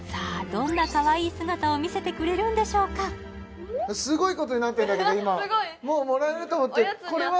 どんな可愛い姿を見せてくれるんでしょうかすごいことになってんだけど今すごいもうもらえると思ってこれは？